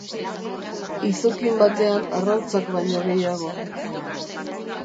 Izokin batean arrautzak baino gehiago.